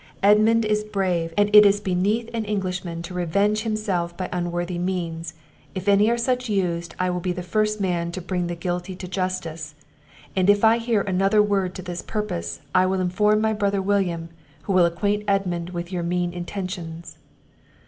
Edmund is brave; and it is beneath an Englishman to revenge himself by unworthy means; if any such are used, I will be the first man to bring the guilty to justice; and if I hear another word to this purpose, I will inform my brother William, who will acquaint Edmund with your mean intentions."